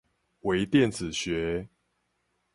微電子學